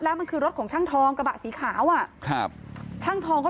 แล้วมันคือรถของช่างทองกระบะสีขาวอ่ะครับช่างทองเขา